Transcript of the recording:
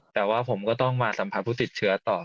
แต่ว่าผมก็ต้องมาสัมผัสผู้ติดเชื้อต่อ